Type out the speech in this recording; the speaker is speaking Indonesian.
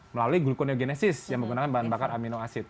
melalui gluconeogenesis yang menggunakan bahan bakar amino asid